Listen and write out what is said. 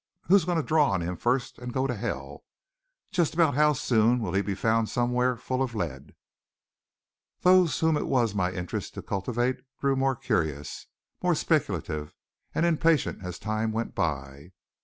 Who's goin' to draw on him fust an' go to hell? Jest about how soon will he be found somewhere full of lead?" Those whom it was my interest to cultivate grew more curious, more speculative and impatient as time went by.